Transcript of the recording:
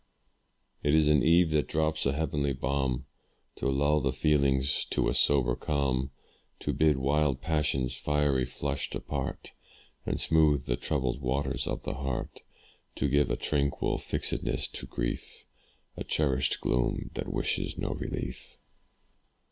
It is an eve that drops a heavenly balm, To lull the feelings to a sober calm, To bid wild passion's fiery flush depart; And smooth the troubled waters of the heart; To give a tranquil fixedness to grief, A cherished gloom, that wishes not relief.